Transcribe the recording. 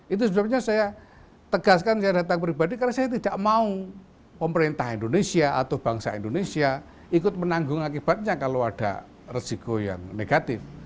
itu sebabnya saya tegaskan saya datang pribadi karena saya tidak mau pemerintah indonesia atau bangsa indonesia ikut menanggung akibatnya kalau ada resiko yang negatif